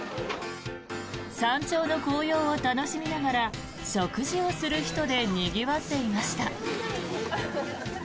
山頂の紅葉を楽しみながら食事をする人でにぎわっていました。